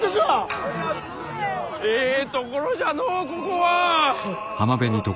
ええ所じゃのうここは！